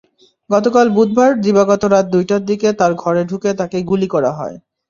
গতকাল বুধবার দিবাগত রাত দুইটার দিকে ঘরে ঢুকে তাঁকে গুলি করা হয়।